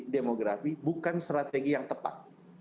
demografi bukan strategi yang tepat